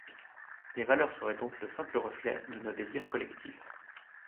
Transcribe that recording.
Les valeurs seraient donc le simple reflet de nos désirs collectifs.